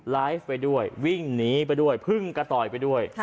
ไลฟ์ไปด้วยวิ่งหนีไปด้วยพึ่งกระต่อยไปด้วย